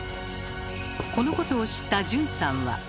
このことを知った順さんは。